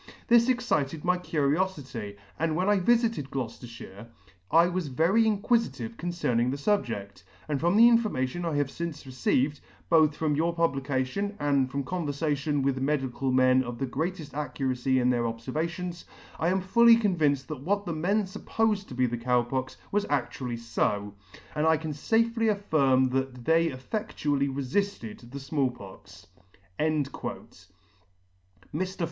This excited my curiofity, and when I viiited Gloucefterffiire I was very inquifitive concerning the fubjedt ; and from the informa tion I have fince received, both from your publication, and from converfation with medical men of the greateft accuracy in their obfervations, I am fully convinced that what the men fuppofed to be the Cow Pox, was adtually fo, and I can fafely affirm that they effectually relifted the Small Pox." Mr.